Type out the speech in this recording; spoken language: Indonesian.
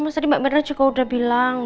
mas tadi mbak mira juga udah bilang